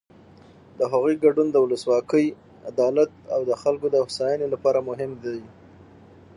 د هغوی ګډون د ولسواکۍ، عدالت او د خلکو د هوساینې لپاره مهم دی.